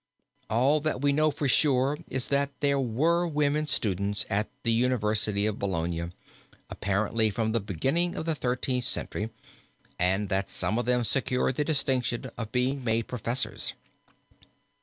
All that we know for sure is that there were women students at the University of Bologna apparently from the beginning of the Thirteenth Century, and that some of them secured the distinction of being made Professors.